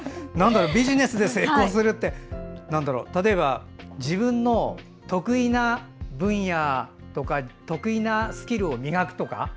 ビジネスで成功するって例えば、自分の得意な分野とか得意なスキルを磨くとか。